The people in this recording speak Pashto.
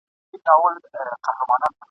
ډېوه به مو په کور کي د رقیب تر سبا نه وي ..